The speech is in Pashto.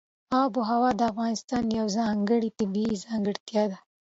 آب وهوا د افغانستان یوه ځانګړې طبیعي ځانګړتیا ده.